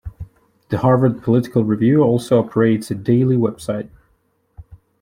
The "Harvard Political Review" also operates a daily website.